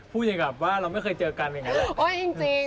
พูดอย่างกับว่าเราไม่เคยเจอกันอย่างนั้น